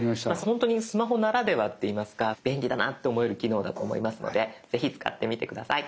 本当にスマホならではって言いますか便利だなと思える機能だと思いますのでぜひ使ってみて下さい。